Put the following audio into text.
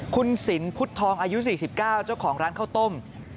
คุณสินพุทธทองอายุ๔๙เจ้าของร้านข้าวต้ม